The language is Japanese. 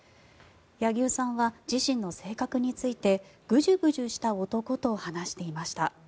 柳生さんは自身の性格についてぐじゅぐじゅした男と話していました。